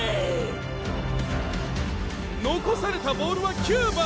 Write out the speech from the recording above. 残されたボールは９番。